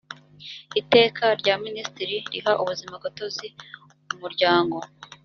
iteka rya minisitiri riha ubuzimagatozi umuryango